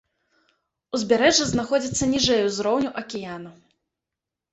Узбярэжжа знаходзіцца ніжэй узроўню акіяну.